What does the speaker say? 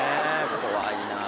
怖いなぁ。